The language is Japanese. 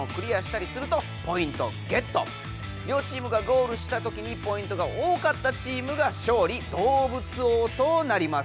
りょうチームがゴールしたときにポイントが多かったチームが勝利動物王となります。